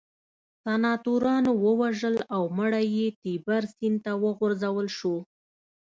سناتورانو ووژل او مړی یې تیبر سیند ته وغورځول شو